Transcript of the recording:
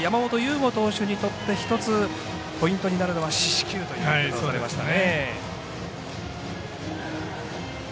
吾投手にとって一つポイントになるのは四死球とおっしゃってましたね。